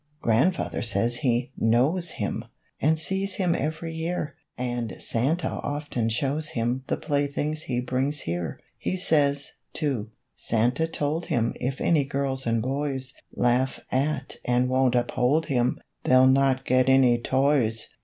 Grandfather says he knows him, And sees him every year, And Santa often shows him The playthings he brings here; He says, too, Santa told him If any girls and boys Laugh at and won't uphold him, They'll not get any toys!